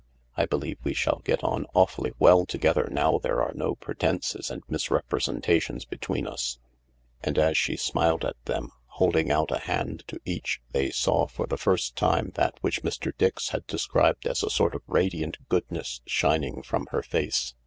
I believe we shall get on awfully well together now there are no pretences and misrepresentations between us*" And as she smiled at THE LARK 277 them, holding out a hand to each, they saw, for the first time, that which Mr. Dix had described as a sort of radiant good ness shining from her face.